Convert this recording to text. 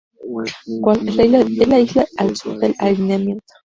Wolf es la isla al sur del alineamiento.